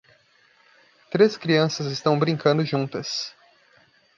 Três crianças estão brincando juntas